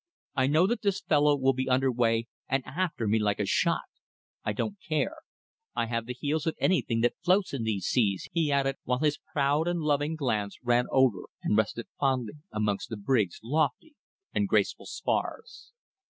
I know that this fellow will be under way and after me like a shot. I don't care! I have the heels of anything that floats in these seas," he added, while his proud and loving glance ran over and rested fondly amongst the brig's lofty and graceful spars.